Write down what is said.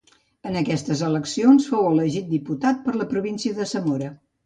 En aquestes eleccions fou elegit diputat per la província de Zamora.